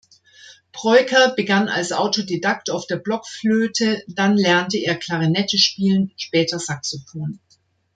Breuker begann als Autodidakt auf der Blockflöte; dann lernte er Klarinette spielen, später Saxophon.